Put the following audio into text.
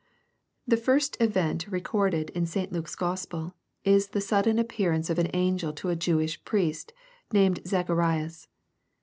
The first event recorded in St. Luke's Gospel, is the sudden appearance of an angel to a Jewish priest, named Zacharias.